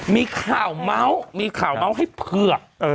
มีข่าวเมาส์มีข่าวเมาส์ให้เผือก